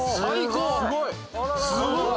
すごい！